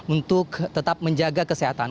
untuk tetap menjaga kesehatan